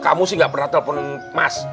kamu sih gak pernah telpon mas